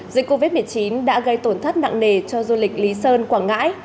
dịch covid một mươi chín đã gây tổn thất nặng nề cho du lịch lý sơn quảng ngãi